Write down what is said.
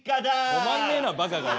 止まんねえなばかがよ。